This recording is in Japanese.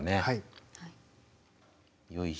はい。